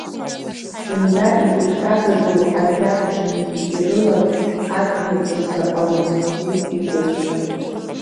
Зынӡа игәыҭҟьагаӡоу ажәабжьынгьы ирылан адгьылҵысра ҟаларангьы иҟоушәа.